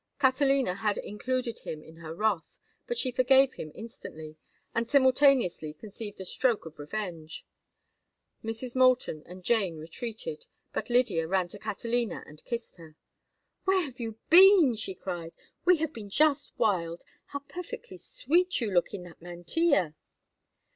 Catalina had included him in her wrath, but she forgave him instantly, and simultaneously conceived a stroke of revenge. Mrs. Moulton and Jane retreated, but Lydia ran to Catalina and kissed her. "Where have you been?" she cried. "We have been just wild. How perfectly sweet you look in that mantilla!"